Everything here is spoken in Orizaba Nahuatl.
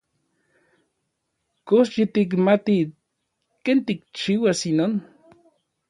¿Kox yitikmati ken tikchiuas inon?